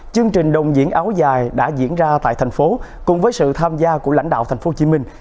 chương trình đồng diễn áo dài đã diễn ra tại thành phố cùng với sự tham gia của lãnh đạo thành phố hồ chí minh